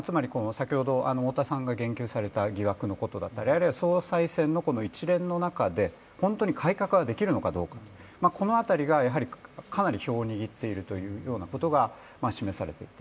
太田さんが言及された疑惑のことだったりあるいは総裁選の一連の中で本当に改革ができるのかどうか、この辺りがかなり票を握っているということが示されていて。